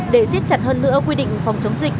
để xiết chặt hơn nữa quy định phòng chống dịch